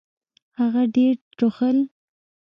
هغه ډېر ټوخل .